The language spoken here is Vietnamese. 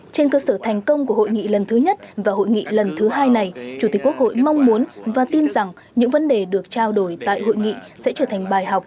trên cơ sở thành công của hội nghị lần thứ nhất và hội nghị lần thứ hai này chủ tịch quốc hội mong muốn và tin rằng những vấn đề được trao đổi tại hội nghị sẽ trở thành bài học